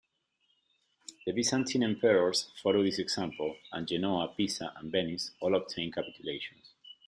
The Byzantine Emperors followed this example, and Genoa, Pisa and Venice all obtained capitulations.